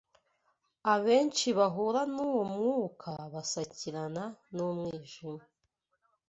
Abenshi bahura n’uwo mwuka basakirana n’umwijima